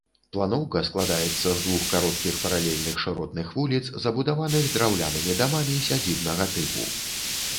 Планоўка складаецца з двух кароткіх, паралельных шыротных вуліц, забудаваных драўлянымі дамамі сядзібнага тыпу.